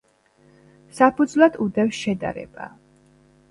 საფუძვლად უდევს შედარება.